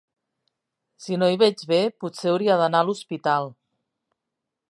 Si no hi veig bé, potser hauria d'anar a l'Hospital.